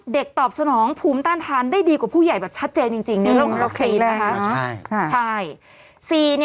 ๓เด็กตอบสนองภูมิต้านทานได้ดีกว่าผู้ใหญ่แบบชัดเจนจริงในโรควัคซีน